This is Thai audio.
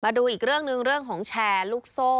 ดูอีกเรื่องหนึ่งเรื่องของแชร์ลูกโซ่